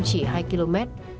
chỉ hai km